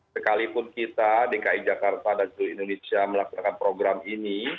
sekalipun kita dki jakarta dan seluruh indonesia melaksanakan program ini